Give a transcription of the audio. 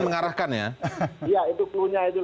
diarahkan ya iya itu clue nya itu